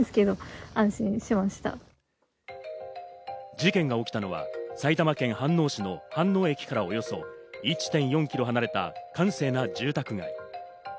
事件が起きたのは埼玉県飯能市の飯能駅からおよそ１．４キロ離れた閑静な住宅街。